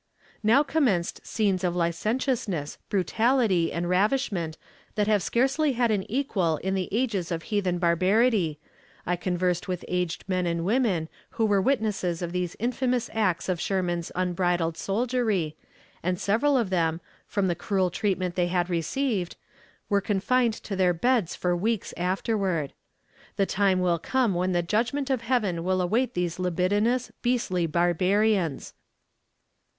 "Now commenced scenes of licentiousness, brutality, and ravishment that have scarcely had an equal in the ages of heathen barbarity, I conversed with aged men and women, who were witnesses of these infamous acts of Sherman's unbridled soldiery, and several of them, from the cruel treatment they had received, were confined to their beds for weeks afterward. The time will come when the judgment of Heaven will await these libidinous, beastly barbarians.